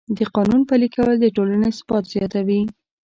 د قانون پلي کول د ټولنې ثبات زیاتوي.